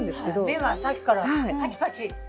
目がさっきからパチパチ！